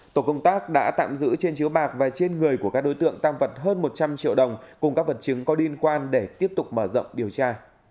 tổ công tác đã tạm giữ trên chiếu bạc và trên người của các đối tượng tăng vật hơn một trăm linh triệu đồng cùng các vật chứng có liên quan để tiếp tục mở rộng điều tra